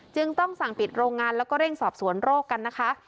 จึงต้องสั่งปิดโรงงานแล้วก็เร่งสอบสวนโรคกันนะคะ